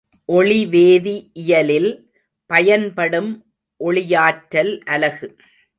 ஒளி வேதி இயலில் பயன்படும் ஒளியாற்றல் அலகு.